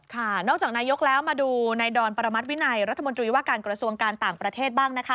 นอกจากนายกแล้วมาดูในดอนประมัติวินัยรัฐมนตรีว่าการกระทรวงการต่างประเทศบ้างนะคะ